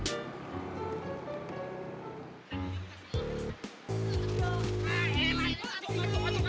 enggak karenaiau olem kan ni ototnya buah